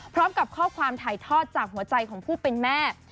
พร้อมกับข้อความถ่ายทอดจากหัวใจของผู้เป็นแม่